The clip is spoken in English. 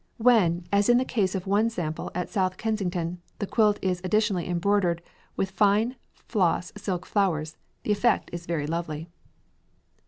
When, as in the case of one sample at South Kensington, the quilt is additionally embroidered with fine floss silk flowers, the effect is very lovely."